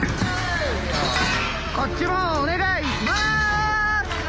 こっちもお願いします！